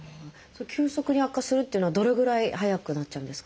急速に悪化するっていうのはどれぐらい早くなっちゃうんですか？